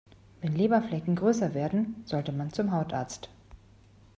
Wenn Leberflecken größer werden, sollte man zum Hautarzt.